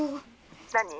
☎何？